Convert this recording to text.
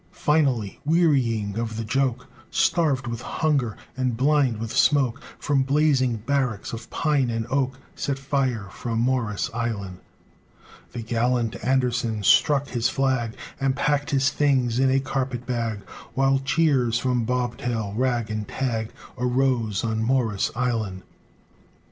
VI Finally, wearying of the joke, Starved with hunger and blind with smoke From blazing barracks of pine and oak, Set fire from Morris' Island, The gallant Anderson struck his flag And packed his things in a carpet bag, While cheers from bobtail, rag, and tag, Arose on Morris' Island.